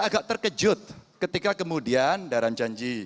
kamu tidak berbicara